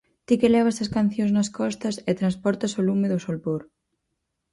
Ti que levas as cancións nas costas e transportas o lume do solpor.